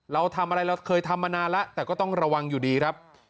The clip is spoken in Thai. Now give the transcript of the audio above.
เราทำอะไรเราเคยทำมานานแล้วแต่ก็ต้องระวังอยู่ดีครับ